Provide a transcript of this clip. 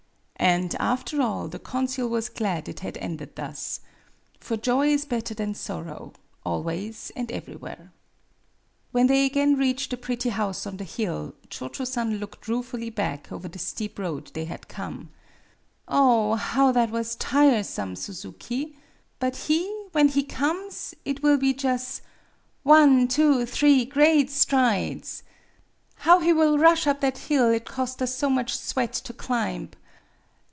And, after all, the consul was glad it had ended thus. For joy is better than sorrow always and everywhere. WHEN they again reached the pretty house on the hill, Cho Cho San looked ruefully back over the steep road they had come. MADAME BUTTERFLY 67 " Oh, how that was tiresome, Suzuki ! But be when he comes, it will be jus' one two three great strides! How he will rush up that hill it cost us so much sweat to climb!